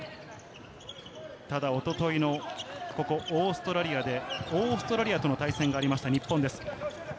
一昨日、オーストラリアで、オーストラリアとの対戦がありました日本です。